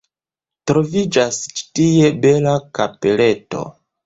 Troviĝas ĉi tie bela kapeleto.